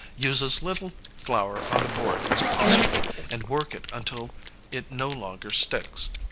Use as little flour on the board as possible, and work it until it no longer sticks.